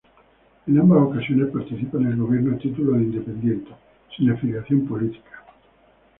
En ambas ocasiones participa en el Gobierno a título de independiente, sin afiliación política.